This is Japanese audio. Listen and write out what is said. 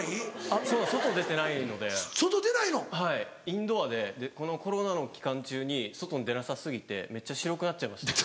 インドアでこのコロナの期間中に外に出なさ過ぎてめっちゃ白くなっちゃいました。